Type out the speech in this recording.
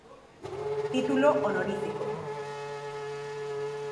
Título honorífico.